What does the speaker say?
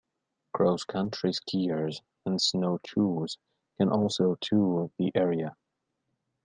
Cross-country skiers and snowshoers can also tour the area.